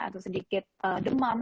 atau sedikit demam